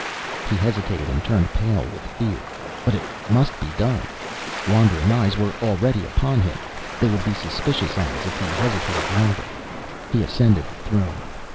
He hesitated and turned pale with fear. But it must be done. Wondering eyes were already upon him. They would be suspicious eyes if he hesitated longer. He ascended the throne.